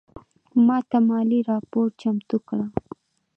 ماته مالي راپور چمتو کړه